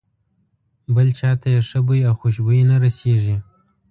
بل چاته یې ښه بوی او خوشبويي نه رسېږي.